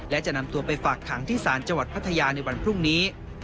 และจะนำตัวไปฝากขังที่ศาลจังหวัดพัทยาในวันพรุ่งนี้